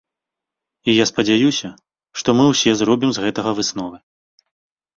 І я спадзяюся, што мы ўсе зробім з гэтага высновы.